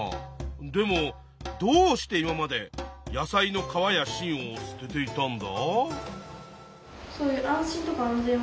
でもどうして今まで野菜の皮や芯を捨てていたんだ？